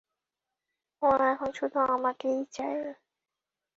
ওরা এখন শুধু আমাকেই চায়।